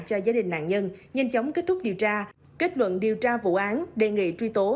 cho gia đình nạn nhân nhanh chóng kết thúc điều tra kết luận điều tra vụ án đề nghị truy tố